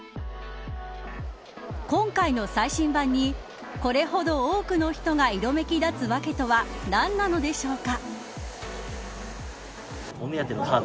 今回の最新版にこれほど多くの人が色めき立つ訳とは何なのでしょうか。